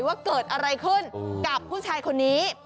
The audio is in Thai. ว่าเกิดอะไรขึ้นกับผู้ชายคนนี้